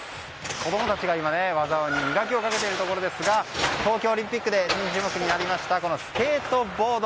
子供たちが今、技に磨きをかけていますが東京オリンピックで新種目になりましたスケートボード。